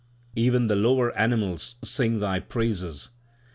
Even the lower animals sing Thy praises.